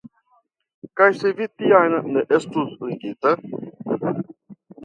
Kaj se vi tiam ne estus ligita?